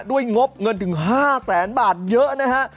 งบเงินถึง๕แสนบาทเยอะนะฮะ